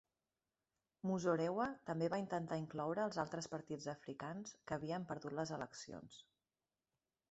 Muzorewa també va intentar incloure els altres partits africans que havien perdut les eleccions.